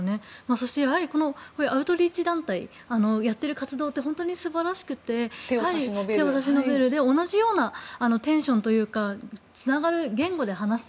そしてやはりこういうアウトリーチ団体をやっている団体って本当に素晴らしくて手を差し伸べたり同じようなテンションというかつながる言語で話す。